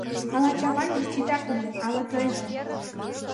Ала Чавайнже титак лийын, ала тыйже?